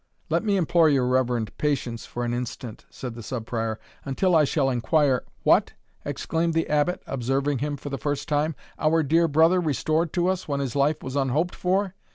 "Let me implore your reverend patience for an instant," said the Sub Prior; "until I shall inquire " "What!" exclaimed the Abbot, observing him for the first time "Our dear brother restored to us when his life was unhoped for!